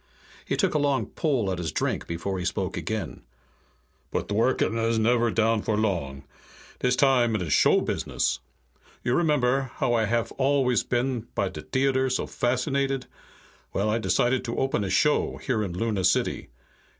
He took a long pull at his drink before he spoke again. "But Dworken is never down for long. Dis time it is show business. You remember, how I haf always been by de t'eater so fascinated? Well, I decided to open a show here in Luna City.